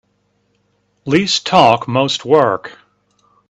Least talk most work.